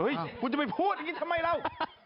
เฮ้ยคุณจะไปพูดทำไมแล้ว